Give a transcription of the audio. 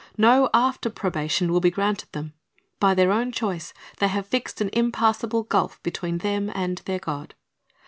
No after probation will be grantee] them. By their own pioice they have fixed an impassable gulf between them and their God.